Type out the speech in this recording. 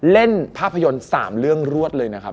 เล่นภาพยนตร์๓เรื่องรวดเลยนะครับ